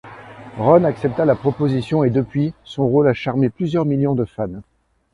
Ronn accepta la proposition et depuis, son rôle a charmé plusieurs millions de fans.